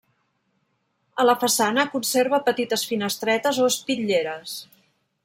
A la façana conserva petites finestretes o espitlleres.